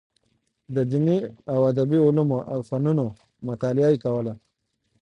د دیني او ادبي علومو او فنونو مطالعه یې کوله.